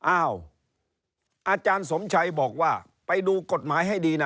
อาจารย์สมชัยบอกว่าไปดูกฎหมายให้ดีนะ